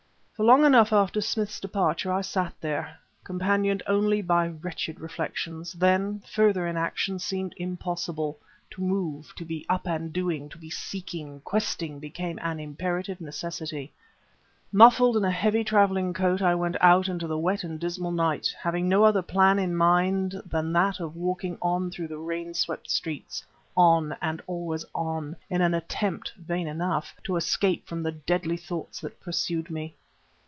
For long enough after Smith's departure I sat there, companioned only by wretched reflections; then, further inaction seemed impossible; to move, to be up and doing, to be seeking, questing, became an imperative necessity. Muffled in a heavy traveling coat I went out into the wet and dismal night, having no other plan in mind than that of walking on through the rain swept streets, on and always on, in an attempt, vain enough, to escape from the deadly thoughts that pursued me.